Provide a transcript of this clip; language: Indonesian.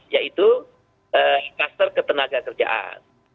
yaitu klaster ketenaga kerjaan